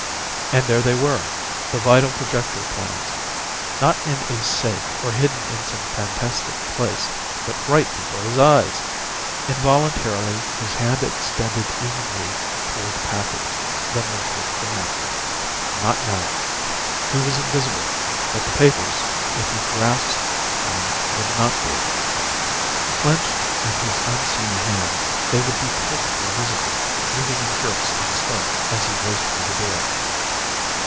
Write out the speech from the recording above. And there they were the vital projector plans not in a safe or hidden in some fantastic place, but right before his eyes! Involuntarily his hand extended eagerly toward the packet, then was withdrawn. Not now. He was invisible but the papers, if he grasped them, would not be. Clenched in his unseen hand, they would be perfectly visible, moving in jerks and starts as he raced for the door.